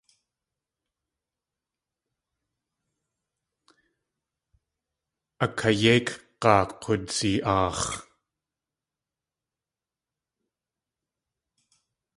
A kayéikg̲aa k̲oowdzi.aax̲.